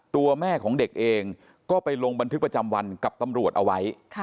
ตัวแม่ของเด็กเองก็ไปลงบันทึกประจำวันกับตำรวจเอาไว้